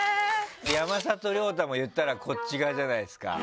山里亮太も言ったらこっち側じゃないですか。